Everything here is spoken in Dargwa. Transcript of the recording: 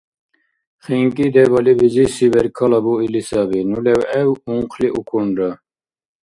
ХинкӀи дебали бизиси беркала буили саби. Ну левгӀев ункъли укунра.